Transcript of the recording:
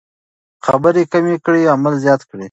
خبرې کمې کړئ عمل زیات کړئ.